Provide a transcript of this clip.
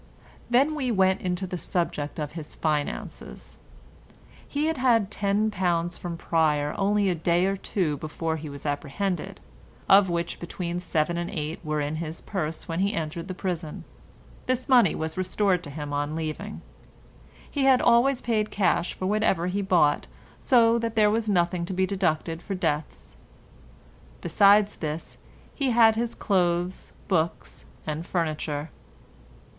Then we went into the subject of his finances. He had had ten pounds from Pryer only a day or two before he was apprehended, of which between seven and eight were in his purse when he entered the prison. This money was restored to him on leaving. He had always paid cash for whatever he bought, so that there was nothing to be deducted for debts. Besides this, he had his clothes, books and furniture.